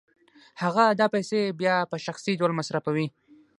هغه دا پیسې بیا په شخصي ډول مصرفوي